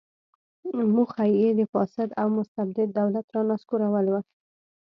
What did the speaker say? موخه یې د فاسد او مستبد دولت رانسکورول و.